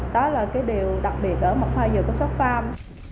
đó là điều đặc biệt ở mật hoa dừa của sotfarm